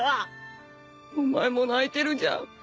お前も泣いてるじゃん。